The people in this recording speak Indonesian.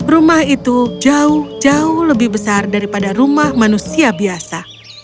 rumah itu jauh jauh lebih besar daripada rumah manusia biasa